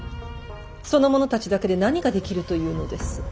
その者たちだけで何ができるというのです。